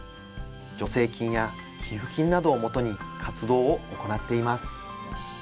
助成金や寄付金などをもとに活動を行っています。